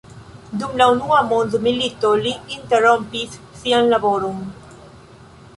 Dum la unua mondmilito li interrompis sian laboron.